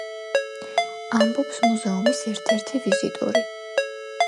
ამბობს მუზეუმის ერთ-ერთი ვიზიტორი.